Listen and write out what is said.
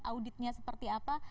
auditnya seperti apa